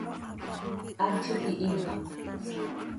¡Hant z iiqui hiin!